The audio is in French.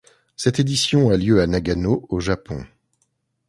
Cette édition a lieu à Nagano, au Japon.